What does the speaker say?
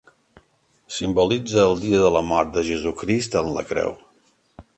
Simbolitza el dia de la mort de Jesucrist en la Creu.